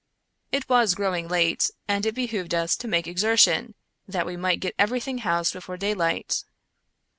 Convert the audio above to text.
It was growing late, and it behooved us to make exertion, that we might get everything housed before day light.